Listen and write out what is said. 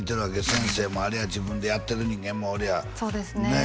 先生もありゃあ自分でやってる人間もおりゃあそうですねねえ